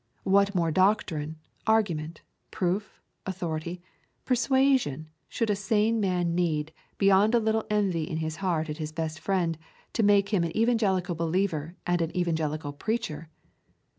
What more doctrine, argument, proof, authority, persuasion should a sane man need beyond a little envy in his heart at his best friend to make him an evangelical believer and an evangelical preacher?